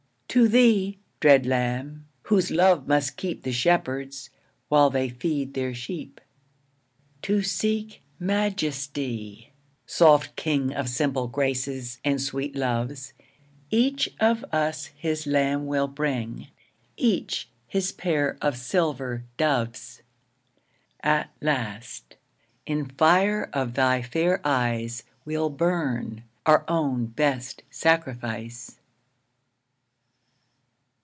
To thee (dread lamb) whose love must keep The shepherds, while they feed their sheep. To seek Majesty, soft king Of simple graces, and sweet loves, Each of us his lamb will bring, Each his pair of silver doves. At last, in fire of thy fair eyes, We'll burn, our own best sacrifice.